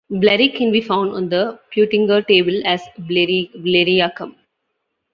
Blerick can be found on the Peutinger Table as Blariacum.